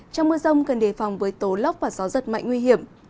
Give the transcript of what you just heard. trong mưa rông cần đề phòng với tố lóc và gió rất mạnh nguy hiểm